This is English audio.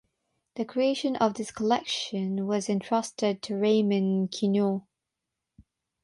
The creation of this collection was entrusted to Raymond Queneau.